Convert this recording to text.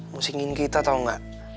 mau singin kita tau nggak